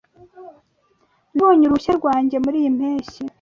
Nabonye uruhushya rwanjye muriyi mpeshyi.